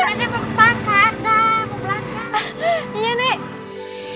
nenek mau ke pasangan belakang